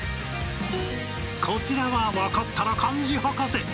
［こちらは分かったら漢字博士］